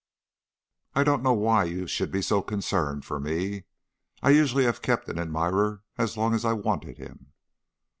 "I don't know why you should be so concerned for me. I usually have kept an admirer as long as I wanted him."